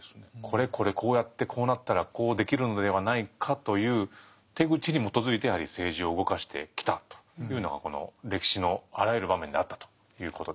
これこれこうやってこうなったらこうできるのではないかという手口に基づいてやはり政治を動かしてきたというのがこの歴史のあらゆる場面であったということですね。